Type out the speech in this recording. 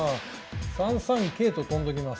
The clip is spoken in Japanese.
３三桂と跳んどきます。